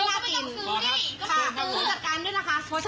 ถ้าพูดว่าไม่อร่อยเธอพูดไง